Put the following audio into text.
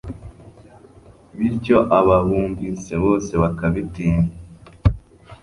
bityo ababumvise bose bakabatinya